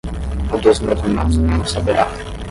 O dos meus irmãos logo saberá.